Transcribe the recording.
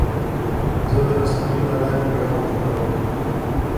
زه د رسنیو له لارې پیغام خپروم.